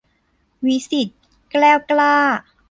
วิศิษฎ์ แกล้วกล้า